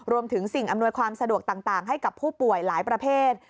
สิ่งอำนวยความสะดวกต่างให้กับผู้ป่วยหลายประเภท